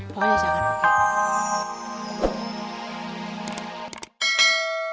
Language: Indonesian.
pokoknya jangan oke